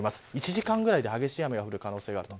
１時間ぐらいで激しい雨が降る可能性があると。